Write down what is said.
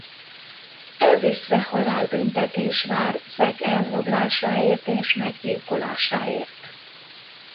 Elvis-re halálbüntetés vár Zack elrablásáért és meggyilkolásáért.